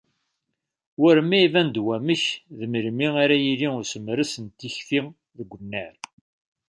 War ma iban-d wamek d melmi ara yili usemres n tikti deg unnar.